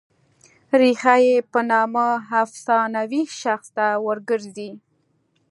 ریښه یې په نامه افسانوي شخص ته ور ګرځي.